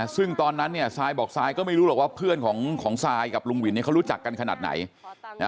ซึ่งตอนนั้นเนี่ยซายบอกซายก็ไม่รู้หรอกว่าเพื่อนของซายกับลุงวินเขารู้จักกันขนาดไหน